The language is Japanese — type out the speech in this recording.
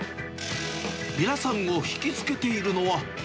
皆さんを引き付けているのは。